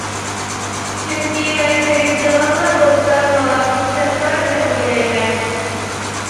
چۈنكى مەن تىرىشىدىغانلا بولسام ماڭا پۇرسەت بار دەپ ئويلايمەن.